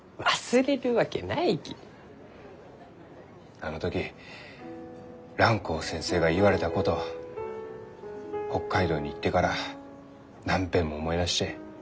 あの時蘭光先生が言われたこと北海道に行ってから何べんも思い出して。